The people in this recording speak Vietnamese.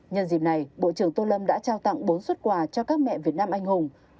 nhân dịp này bộ trưởng tô lâm đã trao tặng bốn xuất quà cho các mẹ việt nam anh hùng